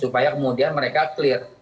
supaya kemudian mereka clear